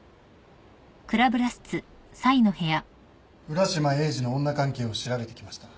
浦島エイジの女関係を調べてきました。